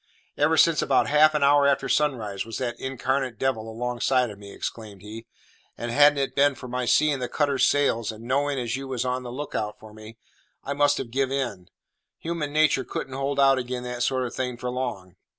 "Ever since about half an hour after sunrise was that incarnate devil alongside of me," exclaimed he; "and hadn't it been for my seeing the cutter's sails, and knowin' as you was on the look out for me, I must have give in. Human natur' couldn't hold out ag'in' that sort of thing for long.